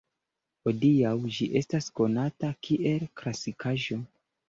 Hodiaŭ ĝi estas konata kiel klasikaĵo.